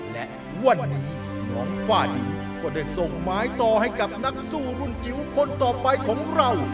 และวันนี้น้องฝ้าดินก็ได้ส่งไม้ต่อให้กับนักสู้รุ่นจิ๋วคนต่อไปของเรา